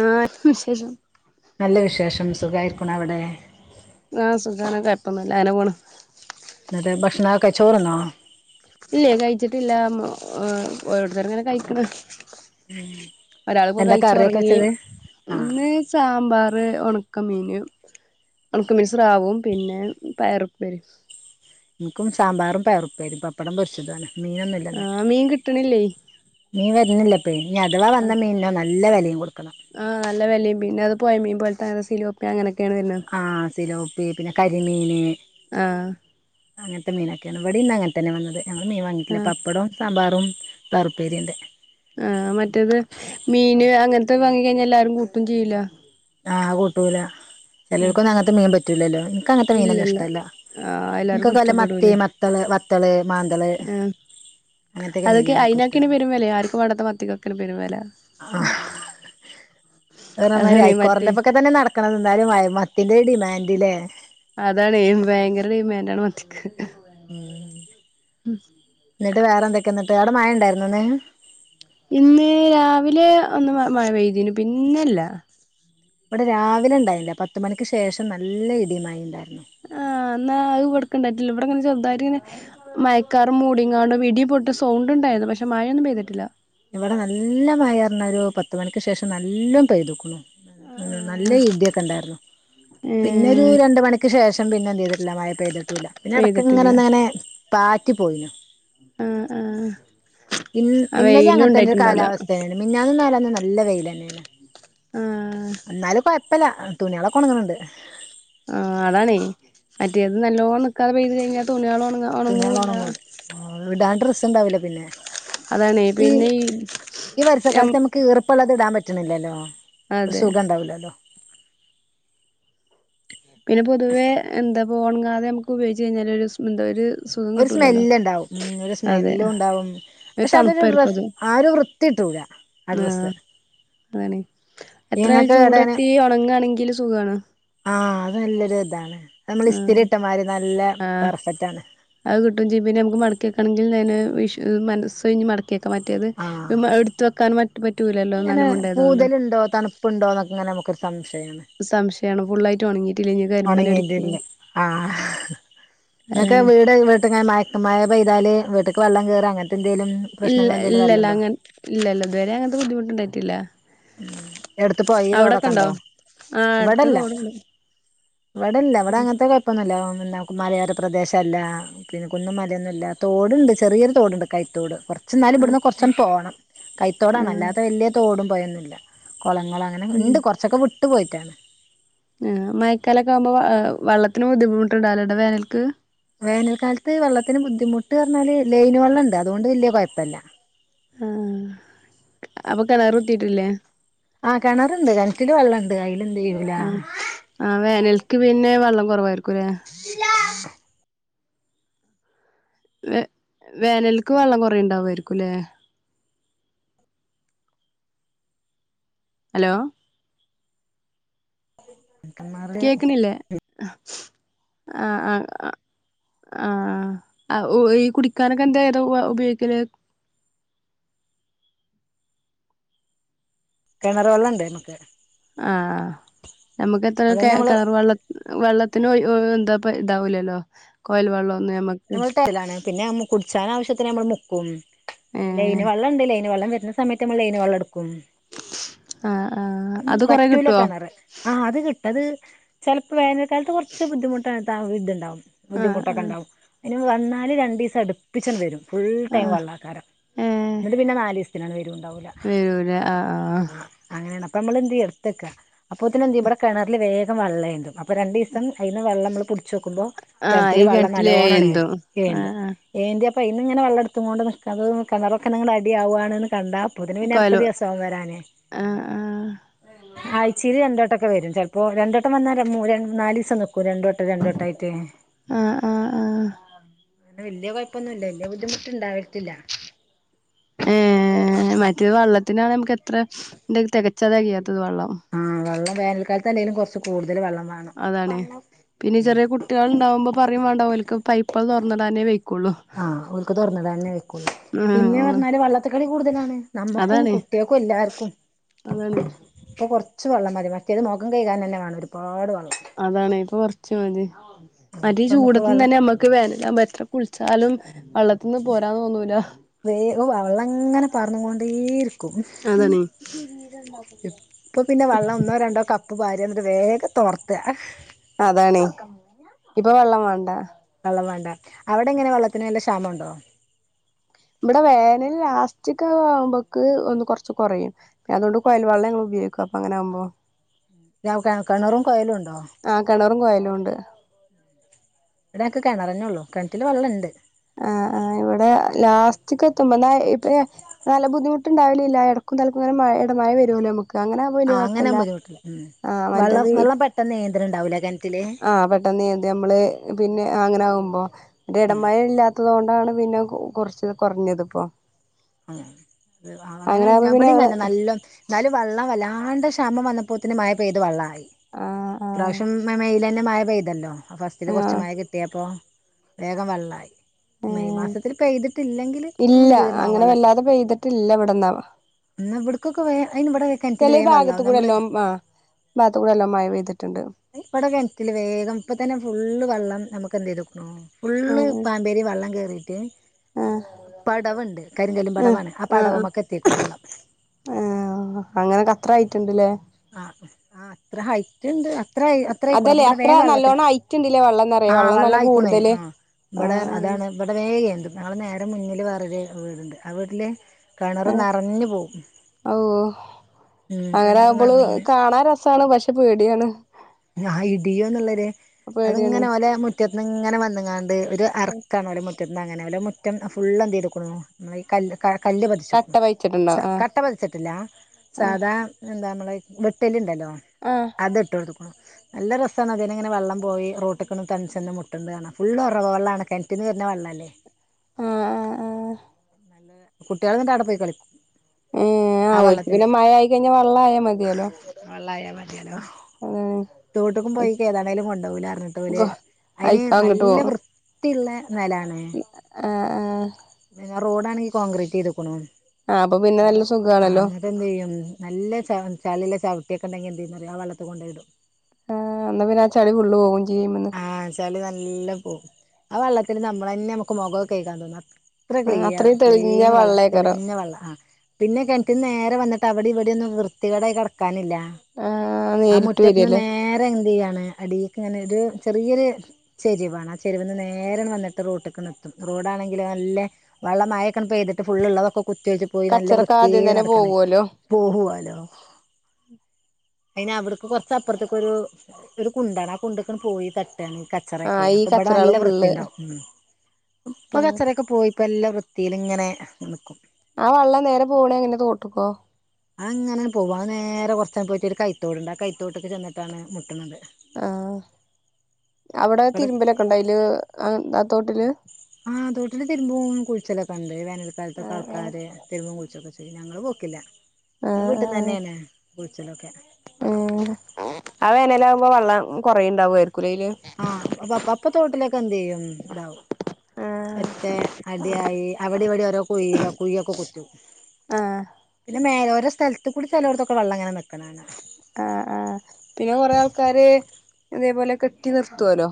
[unintelligible] വിശേഷം നല്ല വിശേഷം സുഖായിരിക്ക ണൊ അവിടെ ആഹ് സുഖാണ് കൊഴപ്പോന്നും ഇല്ല അങ്ങനെ പോണ് ന്നിട്ട് ഭക്ഷണം ഒക്കെ ക ചോറ് തിന്നോ ഇല്ല കഴിച്ചിട്ടില്ല ഓരോരുത്തർ ഇങ്ങനെ കഴിക്ക്ണ് ഒരാളിപ്പൊ എന്താ കഴിച്ചു കറിയൊക്കെ ഒറങ്ങി വെച്ചത് ആഹ് ഇന്ന് സാമ്പാറ് ഒണക്കമീന് ഒണക്കമീൻ സ്രാവും പിന്നെ പയറ് ഉപ്പേരീം എനിക്കും സാമ്പാറും പയർ ഉപ്പേരിം പപ്പടം പൊരിച്ചതു ആണ് മീനൊന്നും ഇല്ല ഇന്ന് ആഹ് മീൻ കിട്ടണില്ലേ മീൻ വര്ണില്ല ഇപ്പഴ്. ഇനി അഥവാ വന്ന മീനിനോ നല്ല വെലയും കൊടുക്കണം. ആഹ് നല്ല വെലയും പിന്നത് പോഴ മീൻ പോലത്താണ് സിലോ പ്പി അങ്ങനൊക്കെയാണ് ആഹ് സിലോപ്പി പിന്നെ കരിമീന്. ആഹ് അങ്ങനത്തെ മീനൊക്കെയാണ്. ഇവിടേം ഇന്ന് അങ്ങനെ തന്നെ വന്നത്. ഞങ്ങള് മീൻ വാങ്ങീട്ടില്ല. ആഹ് പപ്പടോം സാമ്പാറും പയറുപ്പേരിയുണ്ട്. ആഹ് മറ്റേത് മീന് അങ്ങനത്തെ വാങ്ങിക്കഴിഞ്ഞാൽ എല്ലാരും കൂട്ടും ചെയ്യില്ല. ആഹ് കൂട്ടൂല. ചെലോർക്കൊന്നും അങ്ങനത്തെ മീൻ പറ്റൂലല്ലോ. എനിക്കങ്ങനത്തെ മീനൊന്നും ഇല്ലല്ല ഇഷ്ടല്ല. ആഹ് എല്ലാർക്കും എനിക്കൊക്കെ വല്ല മത്തി ഇഷ്ടപ്പെടൂലേ മത്തള് വത്തള് മാന്തള് ആഹ് അങ്ങനത്തെയൊക്കെ അതൊക്കെ മീനാണ് എനിക്കും ഇഷ്ടം അയിനൊക്കേണ് പെരും വെലെ ആർക്കും വേണ്ടാത്തെ മത്തിക്കൊക്കേണ് പെരുംവെല. ആഹ് വേറെമാരി അ അതാണ് മറ്റേ യിക്കോറിന്റെപ്പക്കെ തന്നെ നടകണത് എന്തായാലും മത്തീന്റെ ഡിമാൻഡ് അല്ലെ. അതാണ്. ഭയങ്കര ഡിമാൻഡ് ആണ് മത്തിക്ക്. ഉം. എന്നിട്ട് വേറെന്തൊക്കെന്നിട്ട് അവിടെ മഴ ഒണ്ടായിരുന്നോ ഇന്ന്? ഇന്ന് രാവിലെ ഒന്ന് മഴ പെയ്തീനു. പിന്നെ ല്ല ഇവിടെ രാവിലെ ഉണ്ടായില്ല. പത്തുമണിക്ക് ശേഷം നല്ല ഇടിയും മഴയുംണ്ടാരുന്നു. ആഹ് എന്നാഅതിവിടക്ക് ഉണ്ടായിട്ടില്ല. ഇവിടെ ഇങ്ങനെ ചെറുതായിട്ട് ഇങ്ങനെ മയക്കാറും മൂടിങ്ങാണ്ട് ഇടിപൊട്ട് സൗണ്ട്ണ്ടായിരുന്നു. പക്ഷെ മഴ യൊന്നും പെയ്തിട്ടില്ല. ഇവിടെ നല്ല മഴയായിരുന്നു. ഒരു പത്തു മണിക്ക് ശേഷം നല്ല പെയ്തൂക്ക്ണൂ. ഉം നല്ല ആഹ് ഇടിയൊക്ക ഉണ്ടായിരുന്നു. പിന്നെ ഒരു ഏഹ് രണ്ടു മണിക്ക് ശേഷം പിന്നെ എന്ത് ചെയ്തിട്ടില്ല മഴ പെയ്തിട്ടൂല്ല. പിന്നെ എടക്കിങ്ങനെ പെയ്തിട്ടില്ല ഒന്ന്ങ്ങനെ പാറ്റി പോയിനു. ആഹ് ആഹ് ഇ ആഹ് ഇന്നലെ വെയിലും അങ്ങനത്തന്നെ ഒരു ഉണ്ടായിട്ടുണ്ടാവൂല കാലാവസ്ഥയാണ്. മെനിഞ്ഞാന്നും നാലാന്നും നല്ല വെയിലന്നെയാണ് ആഹ് എന്നാലും കൊഴ പ്പല്ല തുണികളൊക്കെ ഒണങ്ങണുണ്ട്. ആഹ് അതാണേ മറ്റേത് നല്ലോണം നിക്കാതെ പെയ്ത് കഴിഞ്ഞാൽ തുണികളൊണങ്ങ തുണികള് ഒണങ്ങുല ഇടാൻ ഡ്രസ് ഇണ്ടാവൂല്ലേ പിന്നെ. അതാണേ ഈ പിന്നെ ഈ വെര്സ ഞം കാലത്ത് നമുക്ക് ഈർ പ്പെള്ളത് ഇടാൻ പറ്റ്ണില്ലല്ലോ.? ഒരു അതെ സുഖംണ്ടാവൂല്ലല്ലോ. പിന്നെ പൊതുവേ എന്താ ഒണങ്ങാതെ നമുക്ക് ഉപയോഗിച്ച് കഴിഞ്ഞാൽ ഒരു എന്താ ഒരു സുഖം കിട്ടൂലല്ലോ സ്മെല്ല്ണ്ടാവും ഉം. ഒരു അതെ സ്മെല്ലും ഉണ്ടാവും ഒരു പക്ഷെ അതൊരു തണുപ്പായിരിക്കും ഡ്രസ്സ് അത് ആ ഒരു വൃത്തി കിട്ടൂല ആ ഡ്രസ്സ്. അതാണ്. എത്രയാലും ഇങ്ങൾക്ക് ചൂട് ഇടാന് തട്ടി ഒണങ്ങണെങ്കി സുഖാണ്. ആ അത് നല്ലൊരു ഇതാണ്. നമ്മള് ഇസ്തിരി ആഹ് ഇട്ടമാരി നല്ല ആഹ് പെർഫെക്റ്റ് ആണ്. അത് കിട്ടും ചെയ്യും. പിന്നെ നമുക്ക് മടക്കി വെക്കണമെങ്കിലും തന്നെ വിഷ മനസ് ഒഴിഞ് മടക്കി വെക്കാം. മറ്റേത് ആ എടുത്ത് വെക്കാൻ മറ്റ പറ്റൂലല്ലോ നനവുണ്ടായതുകൊണ്ട്. ഇണ്ടോ തണുപ്പ് തണുപ്പുണ്ടോന്നൊെക്കെ ഇങ്ങനെ നമുക്കൊരു സംശയം വരും സംശയാണ് ഫുള്ളായിട്ട് ഒണങ്ങി ഒണങ്ങിയിട്ടില്ലേ ആ ഇങ്ങക്ക് അതാണ് വീട് വീട്ടങ്ങനെ മഴ മഴ പെയ്താല് വീട്ട്ക്ക് വള്ളം കയറും അങ്ങനത്തെ എന്തേലും ഇല്ല പ്രശ്നങ്ങൾ എന്തേലും ഇല്ലല്ല വരലുണ്ടോ അങ്ങന ഇല്ല ഇല്ല ഇതുവരെ അങ്ങനത്തെ ബുദ്ധിമുട്ടുണ്ടായിട്ടില്ല. ഉം എടുത്ത് പൊഴിം തോടൊക്കെ അവിടൊക്കെണ്ടോ ഒണ്ടോ? ആഹ് അടുത്ത് ഇവടെല്ല തോടുണ്ട് ഇവടെല്ല ഇവിടെ അങ്ങനത്തെ കൊഴപ്പൊന്നല്ല മലയോര പ്രദേശല്ല പിന്നെ കുന്നും മലയൊന്നുമല്ല തോടുണ്ട്. ചെറിയൊരു തോടുണ്ട്. കൈത്തോട് കൊറച്ച് കൊറച്ച് ഇന്നാലും ആഹ് ഇവിടുന്നു ആഹ് കൊറച്ചങ്ങട് പോകണം കൈത്തോടാണ്. ആഹ് അല്ലാതെ വല്യ തോടും പൊഴുന്നുല്ല കൊളങ്ങ അങ്ങനെ ഉം ഇണ്ട്. കൊറച്ചൊക്കെ വിട്ടു പോയിട്ടാണ്. ആഹ് മഴക്കാലൊക്കെ ആവുമ്പോ വള്ളത്തിന് ബുദ്ധിമുട്ടുണ്ടാവലുണ്ടോ വേനൽക്ക്? വേനൽ ക്കാലത്ത് വെള്ളത്തിന് ബുദ്ധിമുട്ട് പറഞ്ഞാല് ലൈന് വെള്ളംണ്ട് അതുകൊണ്ട് വല്ല്യ കൊഴപ്പല്ല. ആഹ് അപ്പൊ കെണറു കുത്തിയിട്ടില്ലേ? ആഹ് കെണറുണ്ട്, കെണറ്റില് വെള്ളംണ്ട്. അയില് എന്ത് ചെയ്യൂല ആഹ് ആഹ് വേനൽക്ക് പിന്നെ വെള്ളം കൊറവായിരിക്കൂല്ലേ? ഇല്ല വേ വേനൽക്ക് വെള്ളം കൊറയുണ്ടായിരിക്കുംല്ലേ? ഹലോ എ മ്മാറ് കേക്ക്ണില്ലേ? ആഹ് ആഹ് ആഹ്. ഈ കുടിക്കാനൊക്കെ എന്താ, ഏതാ ഉപയോഗിക്കല്? കെണറ് വെള്ളംണ്ട്, നമ്മക്ക് ആഹ് ഞ്ഞമ്മക്ക് എത്രയൊക്കെ അതന്നെ ആയാലും, നമ്മള് കിണർ വെള്ളം വെള്ളത്തിന് എന്താപ്പാ ഇതാവൂലല്ലോ. കൊഴല് വെള്ളം ഒന്നും ഞമ്മക്ക്. ഞങ്ങള്ത് കൊഴലാണ്. പിന്നെ നമ്മള് കുടിച്ചാനാവിശ്യത്തിന് നമ്മള് മുക്കും. പിന്നെ ഏഹ് ലൈന് വെള്ളംണ്ട് ലൈന് വെള്ളം വരുന്ന സമയത്ത് നമ്മള് ലൈന് വെള്ളം എടുക്കും ആഹ് ആഹ്. ഉം. അത് കൊറെ വറ്റൂല്ല കിട്ടുവോ കെണറ് ആഹ് അത് കിട്ടു, ചെലപ്പോ വേനൽ കാലത്ത് കൊറച്ച് ബുദ്ധിമുട്ടായിട്ട് ഇതുണ്ടാവും. ആഹ് ആഹ് ബുദ്ധിമുട്ടൊക്കെണ്ടാവും. അയിന് വന്നാല് രണ്ടീസം അടുപ്പി ച്ചാണ്ട് വരും. ഫുൾ ടൈം ആഹ് വെള്ളാക്കാരം എന്നിട്ട് പിന്നെ നാലീസത്തിനാണ്ട് വരു ഉണ്ടാവൂല്ല. വരൂല്ല ആഹ് ആഹ് ആ അങ്ങനെയാണ് അപ്പൊ നമ്മള് എന്ത് ചെയ്യ എടുത്ത് വെക്ക അപ്പോത്തിനും എന്ത് ചെയ്യും. ഇവടെ കെണറില് വേഗം വെള്ളം ഏന്തും. അപ്പം രണ്ടീസം അതീന്ന് വെള്ളം നമ്മള് പിടിച്ചു വെക്കുമ്പം ആഹ് ആഹ് കെണറ്റിൽ ഈ വെള്ളം കിണറ്റിലെ നല്ലോണം എന്തോ [unintelligible] ഏന്തും. ആഹ് ആഹ് എന്ത്യാപ്പൊ അയിന്ന്ങ്ങനെ വെള്ളം എടുത്ത് കൊണ്ട് നിക്കാ കിണറൊക്കെ ഇങ്ങനെ അടിയാവുകയാണ്ന്ന് കണ്ടാ ബുധന് പിന്നെ അടുത്ത ദിവസാവും വരാനേ ആ ആ ആഴ്ച്ചീല് രണ്ടോട്ടൊക്കെ വരും. ചെൽപ്പോ രണ്ടോട്ടം വന്നാ ര മൂ രൻ നാലീവസം നിക്കും ഇപ്പൊ രണ്ടോട്ടം രണ്ടോട്ടായിട്ടേ. ആഹ് ആഹ് ആഹ് വല്ല്യ കൊഴപ്പൊന്നൂല്ല. വല്ല്യ ബുദ്ധിമുട്ടുണ്ടാവത്തില്ല ഏ മറ്റ് വെള്ളത്തിനാണ് നമുക്ക് എത്ര എന്തേൽ തെകച്ച തെകയാത്തത് വെള്ളം. ഉം വെള്ളം വേനൽകാലത്ത് അല്ലെങ്കിലും കുറച്ച് കൂടുതൽ വെള്ളം വേണം. അതാണ്. പിന്നെ ഉം ചെറിയ കുട്ടികൾ ഉണ്ടാവുമ്പോ പറയും വേണ്ട ഓല്ക്ക് പൈപ്പ് തുറന്നിടാനേ വെയ് ആ ഓൽക്ക് തൊറന്നിടാനന്നേ വയ്ക്കുള്ളൂ പിന്നെ ആഹ് പറഞ്ഞാല് വള്ളത്തിക്കളി കൂടുതലാണ്. നമ്മക്കും കുട്ടേക്കും എല്ലാർക്കും അതാണെ ഇപ്പൊ കുറച്ച് വെള്ളം മതി. മറ്റേത് മുഖം കയ്കാൻ തന്നെ വേണം ഒരുപാട് വെള്ളം. അതാണ് ഇപ്പൊ കുറച്ച് മതി. മറ്റേ ഇപ്പൊ നമുക്ക് ചൂടത്തിന്ന് വെള്ളം തന്നെ നമ്മക്ക് വേനലാകുമ്പം എത്ര കുളിച്ചാലും വെള്ളത്തിന്ന് പോരാൻ തോന്നൂല [unintelligible] വെള്ളങ്ങനെ പാർന്നുകൊണ്ടേയിരിക്കും. അതാണ് ഇപ്പൊ പിന്നെ വെള്ളം ഒന്നോ രണ്ടോ കപ്പ് പാരുക. എന്നിട്ട് വേഗം തോർത്ത അതാണേ. ഇപ്പൊ വെള്ളം വേണ്ട വെള്ളം വേണ്ട. അവിടെങ്ങനെ വെള്ളത്തിന് നല്ല ക്ഷാമണ്ടോ? ഇവിടെ വേനൽ ലാസ്റ്റ്ക്ക്‌ ആവുമ്പോക്ക് ഒന്ന് കൊറച്ച് കൊറയും ഞാ അതൊണ്ട് കൊയൽ വെള്ള ഞങ്ങൾ ഉപയോഗിക്ക അപ്പൊ അങ്ങനെ ആവുമ്പോ. [unintelligible] കെണറും കൊയലുണ്ടോ? ആ കെണറും കൊയലൂണ്ട് ഇവിടൊക്കെ കിണറന്നേ ഉള്ളൂ. കിണറ്റില് വെള്ളം ഇണ്ട് ആ ആ ഇവടെ ലാസ്റ്റ് ക്ക് എത്തുമ്പോ ന്നാ ഇപ്പേ നല്ല ബുദ്ധിമുട്ടുണ്ടാവലില്ല. എടക്കും തലക്കും ഇങ്ങനെ മഴ ഇട മഴ വരോല്ലോ നമുക്ക്, അങ്ങനെ ആകുമ്പോ ആ വലിയ അങ്ങനെ കുഴപ്പല്ല ബുദ്ധിമുട്ട് ഉണ്ടാവില്ല. ആഹ് വെള്ളം വെള്ളം പെട്ടെന്ന് എന്തുണ ഉണ്ടാവൂല ആ പെട്ടന്നീത് മ്മള് പിന്നെ അങ്ങനെ ആകുമ്പോ എടോം വലോം ഇടമഴ ഇല്ലാത്ത ത്തത് കൊണ്ടാണ് പിന്നെ കൊർച്ച് കുറഞ്ഞത് ഇപ്പൊ ആ അങ്ങനെ ഇവ ടീം തന്നെ ആകുമ്പോ ഞപട പിന്നെ ഞങ്ങള് തന്നെ നല്ല നല്ല വള്ളം വല്ലാണ്ട് ക്ഷാമം വന്നപ്പോത്തിന് മമായ പെയ്തു വെള്ള ആയി ആഹ് ഇപാവശ്യം ആഹ് മെയിലന്നെ മഴ പെയ്തല്ലോ ഫസ്റ്റില് കുറച്ച് ആഹ് മഴ കിട്ട കിട്ടിയ അപ്പോ വേഗം വള്ളായി മെയ് ഏഹ് മാസത്തിൽ പെയ്തിട്ടില്ലെങ്കിൽ മുന്തിയൊന്നാവല്ല ഇല്ലാതെ പെയ്തിട്ടില്ല ഇവിട്ന്ന് ഇന്ന് ഇവിട്ക്ക് ചെലെ ഭാഗത്ത് കൂടെ എല്ലാം ആ ഭാഗത്ത് കൂടെ എല്ലാം മഴ പെയ്തിട്ടുണ്ട് ഇവടെ കെൺറ്റില് വേഗം ഇപ്പ തന്നെ ഫുള്ള് വെള്ളം നമുക്ക് എന്ത് ചെയ്തുക്കണോ ഫുള്ള് ആഹ് പാമ്പേരി വെള്ളം കയറിയിട്ട് ആഹ് പടവുണ്ട് കരിങ്കലും ആഹ് പടവാണ് ആ പടവുമ്മെക്ക് എത്തിക്കണ വള്ളം ആ അങ്ങനൊ കത്ര ആയിട്ടുണ്ടല്ലേ ആ ആ അത്ര ഹൈ ല്ണ്ട് അത്ര അത്ര ആയിക്കൂട അപ്പ അതല്ലേ ഇവിടെ അത്ര വേം വെള്ളത്തി നല്ലോണ്ണം ഐറ്റ്ണ്ട്ല്ലേ വെള്ളംന്നറിയ വെള്ളം ആവെള്ള നല്ല ആയിക്കൂണേ കൂടുതല് ആ ഇവിടെ ആഹ് അതാണ് ഇവിടെ വേഗയുണ്ട് ഞങ്ങൾ നേരെ മുന്നിൽ വറരു വീടുണ്ട് ആ വീട്ടിൽ കിണർ നിറഞ്ഞഞ് പോകും ഓഹ് അങ്ങനെ കിണർ ആകുമ്പോള് നിറഞ്ഞ് കാണാൻ രസാണ് പക്ഷെ പേടിയാണ് ആ ഇടിയോന്നുള്ളൊരു പേടിയാണ് അത്ങ്ങനെ ഒലെ മു മുറ്റത്ത്നിന്ന് ഇങ്ങനെ വന്നങ്ങാണ്ട് ഒരു അറക്കാണോ മുറ്റന്ന് അങ്ങനെ മുറ്റം ഫുൾ എന്ത് ചെയ്തുടുക്കുന്നുോ നമ്മ ഈ കല്ല് കല്ല് പതിച്ചക്കും കട്ട പയിച്ചിട്ടുണ്ടോ സ ആഹ് കട്ട പതിച്ചിട്ടില്ല ആഹ് സാധാ എന്താ നമ്മളെ വെട്ടലുണ്ടല്ലോ ആഹ് അത് എട്ട് എടുക്കണം നല്ല രസമാണ് അതിന് ഇങ്ങനെ വെള്ളം പോയി റോട്ടിൽെന്ന് തണിച്ചെന്ന് മുട്ടണ്ട് കാണാം ഫുള്ളള് ഉറവ്െള്ളമാണ് കറ്റിന് വര വെള്ളമല്ലേ ആഹ് ആഹ് ആഹ് കുട്ടികളൾ എന്നിട്ട് അവിടെ പോയി കളിക്കും മ്മ് ആ ആഹ് ഒക്ക് വെള്ളത്തില് പിന്നെ മഴ ആയിക്കഴിഞ്ഞാൽ വെള്ളായ മതിയാലോ വെള്ളയമതിയല്ലോ തോട്ടക്കും പോയി ഏതാണേങ്കലും കൊണ്ടുപോകല അറിഞ്ഞിട്ട് പോല് അതിന് അയിക്ക് അങ്ങട്ട് നല്ല പോകും വൃ ത്തി യുള്ളേ നിലാണ് ആഹ് ആഹ് പിന്നാ റോഡ്ാണെങ്കിൽ കോൺക്രീറ്റ് ചെയ്തുക്കണോ ആഹ് അപ്പൊ പിന്നെ നല്ല സുഖമാണല്ലോ അതെന്ത്തു ചെയ്യും നല്ല ച ചാലിലെ ചട്ടിയൊക്കെണ്ടെങ്കിൽ എന്ത ചെയ്യറിയ വെള്ളത്തി കൊണ്ട ഇടും ആഹ് എന്നാ പിന്നെ ആ ചെളി ഫുൾ പോകും ചെയ്യുമന്ന് ആഹ് ചളി നല്ല പോകവും ആ വെള്ളത്തിൽ നമ്മൾ തന്നെ നമുക്ക് മുഖംൊ കേക്കാൻ തോന്നും എത്ര ക്ലിയർ അത്രയും തെളിഞ്ഞ ക്ലീൻ വെള്ള വെള്ളേക്കാരം തെളിഞ്ഞ വെള്ള ആ പിന്നെ കിണറ്റിന്ന് നേരെ വന്നിട്ട് അവിടെ ഇവിടെയൊന്നും വൃത്തികട കിടക്കാനില്ല ആഹ് ആ നേരിട്ട് മുറ്റത്തിന്ന് വരല്ലേ നേരെ എന്ത് ചെയ്യാണ് അടിക്ക് ഇങ്ങനെ ഒരു ചെറിയൊരു ചെരിവാണ് ആ ചെരുവന്ന് നേരൻ വന്നിട്ട് റോട്ടക്ക് നിത്തും റോഡാണെങ്കിൽ നല്ല വെള്ളം മയക്കണപ്പോെയ്തിട്ട് ഫുള് ഉള്ളതൊക്കെ കുത്തി വെച്ച് പോയി നല്ല കച്ചറൊക്കെ വൃത്തി ആദ്യം തന്നെ നടക്കണ പോവല്ലോ പോഹുുവാലോ അയിന് അവിടക്ക് കൊറച്ചപ്പുറത്തേക്ക ഒരു ഒരു കുണ്ടാണ് ആ കുണ്ടക്കെ പോയി തട്ടാണ് ച്ചറൊക്കെ ആഹ് ഈ അപ്പൾ ഇവിടെ നല്ല കച്ചറകള് വൃത്തി ഫുള്ള് ഉണ്ടാവും ഇപ്പൊ ആഹ് കച്ചറൊക്കെ പോയിപ്പോ എല്ലാ വൃത്തിയില ഇങ്ങനെ നിൽക്കും ആ വെള്ളം നേരെ പോകണ അങ്ങനെ തോട്ട്ക്കോ ആ അങ്ങനെ പോകോ അത് നേരെ കുറച്ചന്ന പോയിട്ടൊ ഒരു കൈത്തോടുണ്ട് ആ കൈത്തോട്ടൊക്കെ ചെന്നിട്ടാണ് മുട്ടുന്നത് ആഹ് അവിടെ ഇവിടെ തിരുമ്പലൊക്കെ ഉണ്ട അതില് ആഹ് തോട്ടില് ആഹ് തോട്ടില് തിരുമ്പും കുൾച്ചലൊക്കെ ഉണ്ട് വേനൽ കാലത്തൊക്കെ ആഹ് ആഹ് ആൾക്കാര് തിരുമ്പും കുൾച്ചൊക്കെ ചെ ഞങ്ങൾ പോക്കില്ല. ങ്ങൾ ആഹ് ആഹ് വീട്ടിന്നെഞ്ഞേണ് കുൾച്ചലൊക്കെ. ഉം ഹും ആഹ് വേനലാവംമ്പോ വള്ളം കൊറേണ്ടാവായിരിക്കു അയില്. ആഹ് അപ്പപ്പ തോട്ടിലൊക്കെ എന്ത് ചെയ്യും ഇതാവും. ആഹ് മറ്റേ അടിയായി അവിടെ ഇവിടെ ഓരോ കുഴില്ല കുഴിയൊക്കെ കുത്തു. ആഹ് പിന്നെ മേലോര സ്ഥലത്ത് ക്കുടി ചിലോടത്തൊക്കെ വെള്ളം ങ്ങനെ നിക്കണാണ. ആഹ് ആഹ് പിന്നെ കൊറേ ആൾക്കാര് ഇതേപോലെ കെട്ടി നിർത്ത്വോലോ.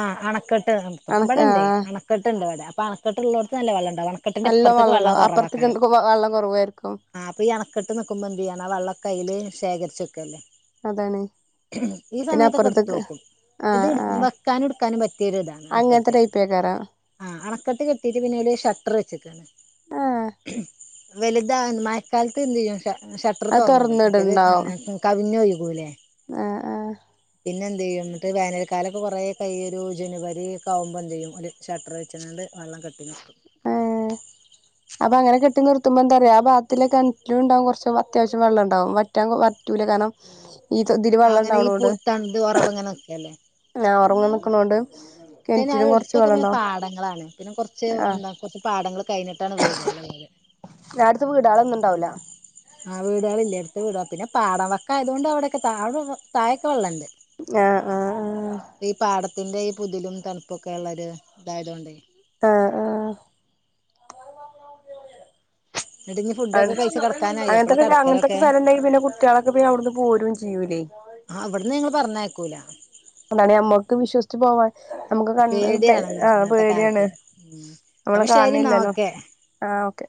ആഹ് അണക്കെട്ട് നീർത്തും. ബടെണ്ടെയ് ആഹ് അണക്കെട്ട്ണ്ട് ബടെ. അപ്പൊ അണക്കെട്ട് ള്ളോട്ത്ത് അല്ല വള്ളംണ്ടാവം അണ നല്ലോം വള്ളംണ്ടാവും അപ്പുറത്ത്ക്ക് വള്ളം കുറവായിരിക്കും. ആഹ് പ്പയീഅണക്കെട്ട് നിക്കുമ്പോ എന്തു ചെയ്യണാ വെള്ളാക്കെയിൽ ശേഖര്ച്ച് വെക്കല്ലേ? അതാണ് ഇഹം പിന്നെ ഈസമയത്തൊക്കെ അപ്പുറത്തേക്ക് എടുത്തോക്കും ഇത് ആഹ് ആഹ് വെ എടുക്കാനും പറ്റിയൊരു താണ് അങ്ങനത്തെ അണക്കെട്ട്. ടൈപ്പേക്കാരം ആഹ് അണക്കെട്ട് കെട്ടീട്ട് പിന്നയ്‌ല് രു ഷട്ടറ് വെച്ച്ക്കാണ്. ആഹ് വലുതാ മയക്കാലത്തെന്തെയ്യും ഷ ഷട്ടർ അത് തൊറന്നിടും മറ്റത് എൻ തുറന്നിടുണ്ടാവും എ കവിഞ്ഞൊയുകൂല്ലേ? ആഹ് അ പിന്നെന്തെയ്യും ന്നിട്ട് വേനൽകാലൊക്കെ കൊറേ ക്ക യീയൊരു ജനുവരി ഒക്കാവുമ്പം എന്തെയ്യും ഓല് ഷട്ടർ വെച്ച്ങ്ങാണ്ട് വെള്ളം കെട്ടിനിർത്തും. അപ്പ അങ്ങനെ കെട്ടി നിർത്തുമ്പം എന്താ അറിയോ, ആ ഭാത്തിലെ കെൺറ്റിലൂണ്ടാവും കൊറച്ച് വത്യാവശ്യം വെള്ളംണ്ടാവും വ റ്റാൻ കൊ വറ്റൂല. കാരണം ഈ ഇതില് വെള്ളം അങ്ങനെ ഈ പോ ഇണ്ടാവണോണ്ട് ത ന്ത് ഒറവ്ങ്ങനെ നിക്കല്ലേ? ആഹ് അങ്ങനെ ഉറങ്ങാൻ പക്ഷെ നിക്കണോണ്ട് അയ്ന് കിണറ്റിലും ഞങ്ങളെ കുറച്ച് എടുത്തൊക്കെങ്ങനെ വെള്ളണ്ടാവും പാടങ്ങളാണ് പിന്നെ കൊർച്ച് ആഹ് എന്താ കൊർച്ച് പാടങ്ങൾ കഴിഞ്ഞിട്ടാണ് വീടാള് ഇള്ളത്. ഞാ അട്ത്ത് വീടാളൊന്നുണ്ടാവുല്ല. ആഹ് വീടാളില്ലേ എട്ത്ത് വീട, പിന്നെ പാടം വക്കായതുകൊണ്ട് അവിടെക്കെ താ അവ്ടെ വ താഴെക്കെ വെള്ളണ്ട്. ആഹ് ആഹ് ആഹ് ഈ പാടത്തിന്റെ ഈ പുതിലും തണുപ്പൊക്കെ ള്ളൊരു ഇതായതോണ്ടേ. ആഹ് ആഹ് എന്നിട്ട് ഇനി ആണ്. ഫുഡൊക്കെ കഴിച്ച് കിടക്കാനായി എപ്പളാ അങ്ങൻത്തൊക്കെ ക കിടക്കലൊക്കെ അങ്ങൻതൊക്കെ സലം ണ്ടെങ്കി പിന്നെ കുട്ട്യേളൊക്കെ പിന്നെ അവിടുന്ന് പോരും ചെയ്യൂലേയ്. ആഹ് അവട്ന്ന് ഞങ്ങള് പറഞ്ഞയ്ക്കൂല. അതാണ് ഞമ്മക്ക് വിശ്വസിച്ച് പോവാൻ. നമുക്ക് കണ് തെ പേടിയാണ് ആഹ് ഇന്നത്തെ പേടിയാണ് കാലത്ത് ഉം നമ്മള് അപ്പൊ ശരി എന്നാ കാൺണില്ലല്ലോ. ഓക്കെ ആഹ് ഓക്കെ.